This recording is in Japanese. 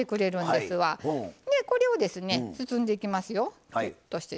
これをですね包んでいきますよ。